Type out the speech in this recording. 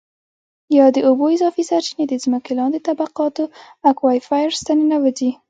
یا د اوبو اضافي سرچېنې د ځمکې لاندې طبقاتو Aquifers ته ننوځي.